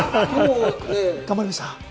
頑張りました？